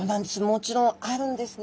もちろんあるんですね。